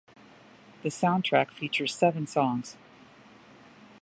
The soundtrack features seven songs.